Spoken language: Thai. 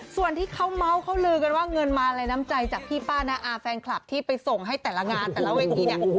ส่วนที่เขาเมาส์เขาลือกันว่าเงินมาลัยน้ำใจจากพี่ป้านาอาแฟนคลับที่ไปส่งให้แต่ละงานแต่ละเวทีเนี่ย